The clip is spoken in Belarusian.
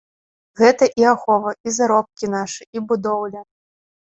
Гэта і ахова, і заробкі нашы, і будоўля.